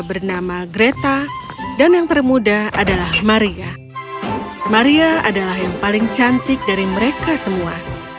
bernama greta dan yang termuda adalah maria maria adalah yang paling cantik dari mereka semua